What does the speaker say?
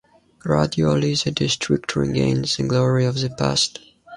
Gradually the district regains the glory of the past.